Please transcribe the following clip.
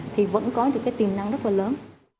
thì vẫn có được tiềm năng rất là lớn